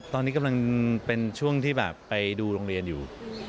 ตอนนี้กำลังเป็นช่วงที่แบบไปดูโรงเรียนอยู่